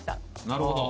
なるほど。